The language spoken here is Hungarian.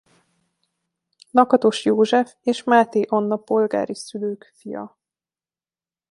Lakatos József és Máté Anna polgári szülők fia.